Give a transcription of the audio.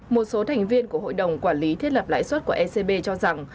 một số thành viên của hội đồng quản lý thiết lập lãi xuất của scb cho rằng